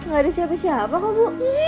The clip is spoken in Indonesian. gak ada siapa siapa kok bu